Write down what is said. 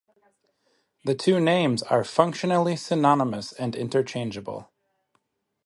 The two names are functionally synonymous and interchangeable.